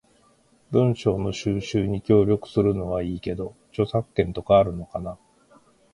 文章の収集に協力するのはいいけど、著作権とかあるのかな？